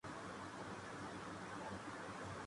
داماد رسول اور جامع قرآن تھے